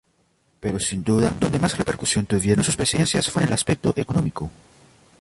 Pero sin duda, donde más repercusión tuvieron sus presidencias fue en el aspecto económico.